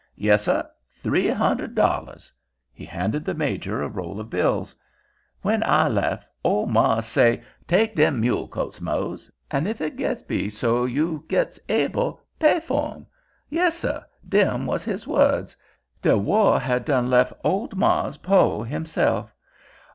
"Yessir—three hundred dollars." He handed the Major a roll of bills. "When I lef' old mars' says: ''Take dem mule colts, Mose, and, if it be so you gits able, pay fur 'em.' Yessir—dem was his words. De war had done lef' old mars' po' hisself.